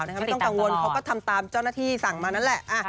ไม่ต้องกังวลเขาก็ทำตามเจ้าหน้าที่สั่งมานั่นแหละ